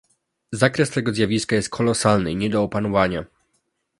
Zakres tego zjawiska jest kolosalny i nie do opanowania